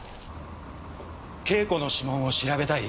慶子の指紋を調べたい？